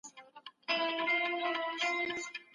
ټولنیز عدالت په پرمختیا کي مهم دی.